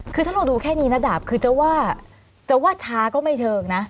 คือถ้าเราดูแค่นี้นะดาบคือจะว่าจะว่าช้าก็ไม่เชิงนะ